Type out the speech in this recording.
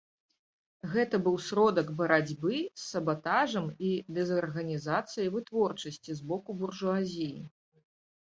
Гэта быў сродак барацьбы з сабатажам і дэзарганізацыяй вытворчасці з боку буржуазіі.